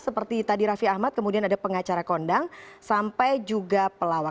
seperti tadi raffi ahmad kemudian ada pengacara kondang sampai juga pelawak